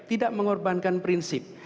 tidak mengorbankan prinsip